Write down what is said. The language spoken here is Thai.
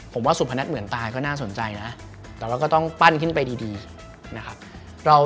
ผมว่าสุพนัทเหมือนตายก็น่าสนใจนะแต่เราก็ต้องปั้นขึ้นไปดีนะครับ